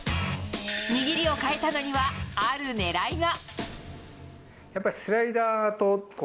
握りを変えたのにはある狙いが。